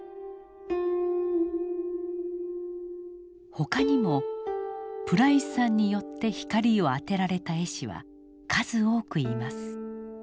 他にもプライスさんによって光を当てられた絵師は数多くいます。